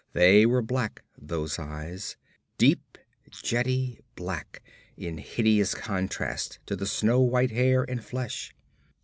They were black, those eyes, deep jetty black, in hideous contrast to the snow white hair and flesh.